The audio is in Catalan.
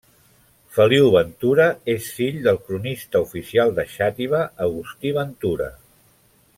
Feliu Ventura és fill del cronista oficial de Xàtiva Agustí Ventura.